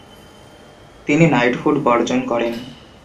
তিনি নাইটহুড বর্জন করেন।